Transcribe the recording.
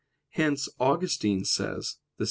Hence Augustine says (De Civ.